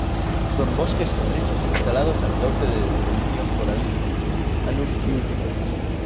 Son bosques estrechos instalados junto al cauce dominados por el aliso, "Alnus glutinosa".